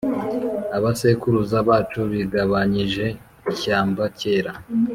abasekuruza bacu bigabanyije ishyamba kera